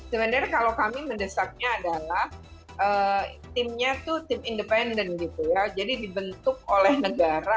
sebenarnya kalau kami mendesaknya adalah timnya itu tim independen gitu ya